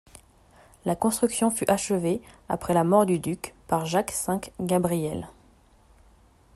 La construction fut achevée après la mort du duc par Jacques V Gabriel.